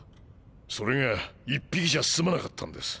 それが１匹じゃすまなかったんです。